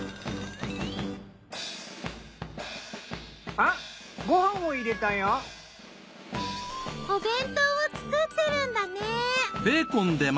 あっご飯を入れたよ！お弁当を作ってるんだね。